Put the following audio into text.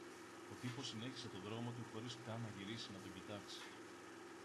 Ο τύπος συνέχισε το δρόμο του χωρίς καν να γυρίσει να τον κοιτάξει